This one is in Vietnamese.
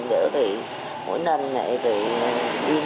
đỡ phải mỗi lần này phải đi làm chân